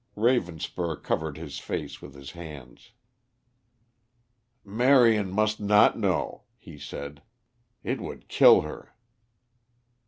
Ravenspur covered his face with his hands. "Marion must not know," he said. "It would kill her."